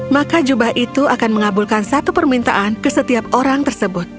maka jubah itu akan mengabulkan satu permintaan ke setiap orang tersebut